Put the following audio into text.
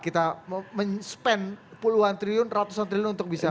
kita mengeksplasikan puluhan triliun ratusan triliun untuk bisa